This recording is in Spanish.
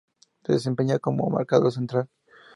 Se desempeñaba como marcador central.